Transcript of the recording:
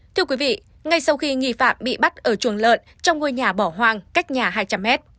thưa quý vị ngay sau khi nghi phạm bị bắt ở chuồng lợn trong ngôi nhà bỏ hoang cách nhà hai trăm linh m